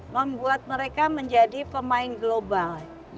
membuat mereka menjadi pemain global